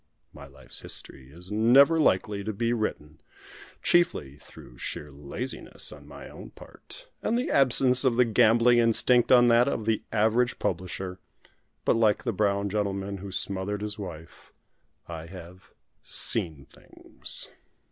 My life's history is never likely to be written chiefly through sheer laziness on my own part, and the absence of the gambling instinct on that of the average publisher but like the brown gentleman who smothered his wife, I have "seen things."